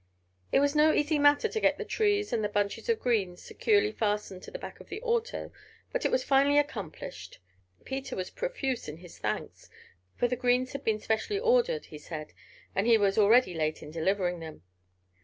It was no easy matter to get the trees, and the bunches of greens, securely fastened to the back of the auto, but it was finally accomplished. Peter was profuse in his thanks, for the greens had been specially ordered, he said, and he was already late in delivering them.